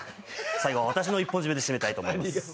最後は、私の一本締めで締めたいと思います。